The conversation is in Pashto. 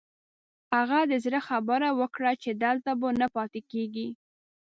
هغه د زړه خبره وکړه چې دلته به نه پاتې کېږي.